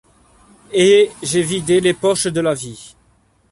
Et j’ai vidé les poches de la vie.